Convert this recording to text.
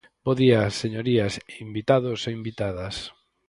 Bo día, señorías, invitados e invitadas.